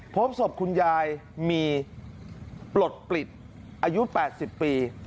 พบศพคุณยายมีปลดปลิดอายุ๘๐ปี